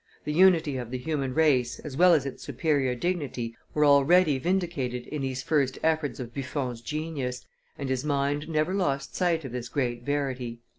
The unity of the human race as well as its superior dignity were already vindicated in these first efforts of Buffon's genius, and his mind never lost sight of this great verity.